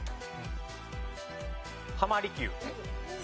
浜離宮。